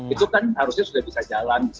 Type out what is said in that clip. itu kan harusnya sudah bisa jalan